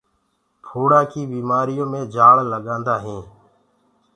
ڦوڙآ ڪي بيمآريو مي جآݪ لگآندآ تآ۔